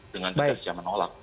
dengan tegas saya menolak